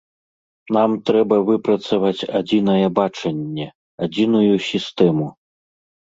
Нам трэба выпрацаваць адзінае бачанне, адзіную сістэму.